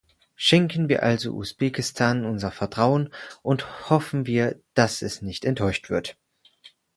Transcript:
Schenken wir also Usbekistan unser Vertrauen und hoffen wir, dass es nicht enttäuscht wird.